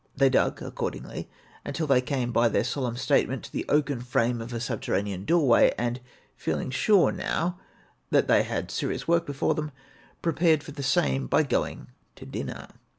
They dug accordingly until they came, by their solemn statement, to the oaken frame of a subterranean doorway; and feeling sure now, that they had serious work before them, prepared for the same by going to dinner.